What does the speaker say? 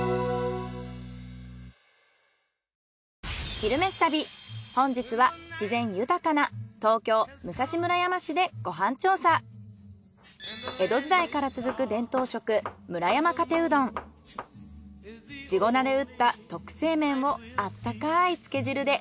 「昼めし旅」本日は自然豊かな江戸時代から続く地粉で打った特製麺をあったかいつけ汁で。